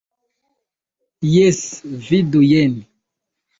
Jes, vidu jen.